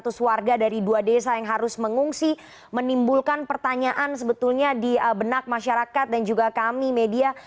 satu ratus warga dari dua desa yang harus mengungsi menimbulkan pertanyaan sebetulnya di benak masyarakat dan juga kami media